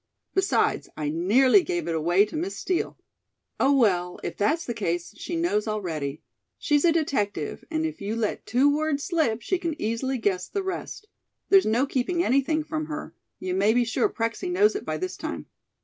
Besides, I nearly gave it away to Miss Steel." "Oh, well, if that's the case, she knows already. She's a detective, and if you let two words slip, she can easily guess the rest. There's no keeping anything from her. You may be sure Prexy knows it by this time."